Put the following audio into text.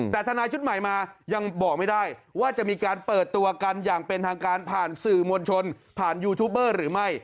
แต่ทนายชุดใหม่มายังบอกไม่ได้ว่าจะมีการเปิดตัวกันอย่างเป็นทางการผ่านสื่อมวลชนผ่านยูทูบเบอร์หรือไม่